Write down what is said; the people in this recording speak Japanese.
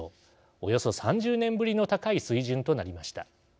およそ３０年ぶりの高い水準となりました。